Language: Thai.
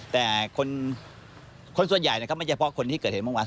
แต่คนส่วนใหญ่ก็ไม่ใช่เพราะคนที่เกิดเหตุเมื่อวาน